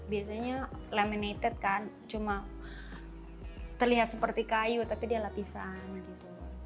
biasanya leminated kan cuma terlihat seperti kayu tapi dia lapisan gitu